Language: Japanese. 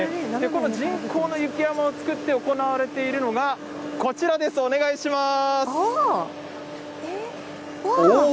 この人工の雪山を作って行われているのが、こちらです、お願いします。